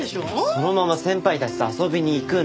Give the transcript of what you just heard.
そのまま先輩たちと遊びに行くの。